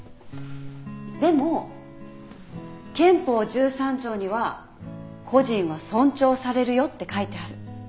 でも憲法１３条には個人は尊重されるよって書いてある。